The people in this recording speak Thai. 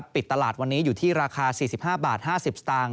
ปิดตลาดวันนี้อยู่ที่ราคา๔๕บาท๕๐สตางค์